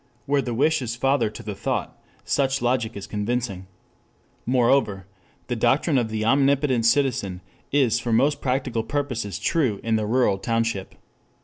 Where the wish is father to the thought such logic is convincing. Moreover, the doctrine of the omnicompetent citizen is for most practical purposes true in the rural township.